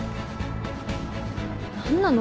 何なの？